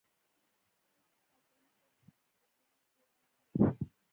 خو اوس پاچاهي په متولیانو پورې اړه نه لري.